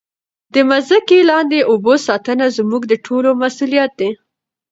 د مځکې لاندې اوبو ساتنه زموږ د ټولو مسؤلیت دی.